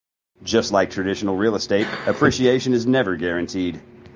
Just like traditional real estate, appreciation is never guaranteed.